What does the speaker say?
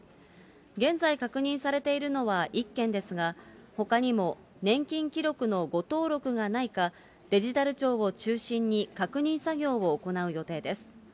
現在確認されているのは１件ですが、ほかにも年金記録の誤登録がないか、デジタル庁を中心に確認作業を行う予定です。